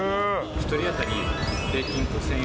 １人当たり平均５０００円